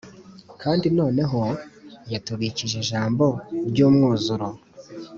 kandi noneho yatubikije ijambo ry'umwuzuro